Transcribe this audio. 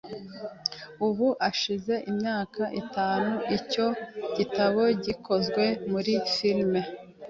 Ubu hashize imyaka itanu icyo gitabo gikozwe muri firime.